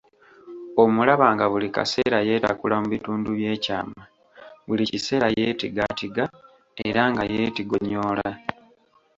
Omulaba nga buli kaseera yeetakula mu bitundu by'ekyama, buli kiseera yeetigaatiga era nga yeetigonyoola.